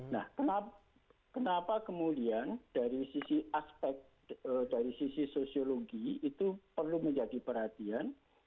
nah kenapa kemudian dari sisi aspek dari sisi sosiologi itu perlu menjadi perhatian